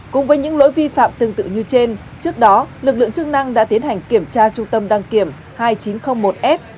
cùng với những lỗi vi phạm tương tự như trên trước đó lực lượng chức năng đã tiến hành kiểm tra trung tâm đăng kiểm hai nghìn chín trăm linh một s